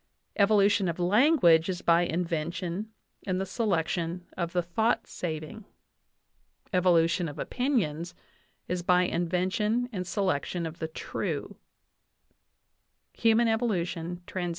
Evolution of language is by invention and the selection of the thought saving. Evolution of opinions is by invention and selection of the true" (Human Evolution, Trans.